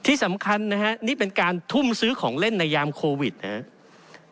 ที่สำคัญนะฮะนี่เป็นการทุ่มซื้อของเล่นในยามโควิดนะครับ